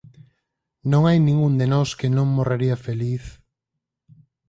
Non hai ningún de nós que non morrería feliz...